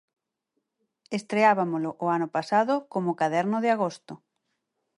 Estreabámolo o ano pasado como Caderno de Agosto.